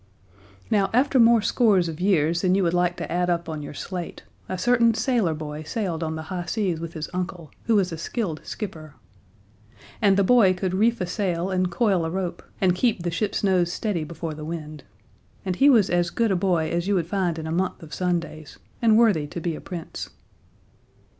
Now, after more scores of years than you would like to add up on your slate, a certain sailor boy sailed on the high seas with his uncle, who was a skilled skipper. And the boy could reef a sail and coil a rope and keep the ship's nose steady before the wind. And he was as good a boy as you would find in a month of Sundays, and worthy to be a Prince.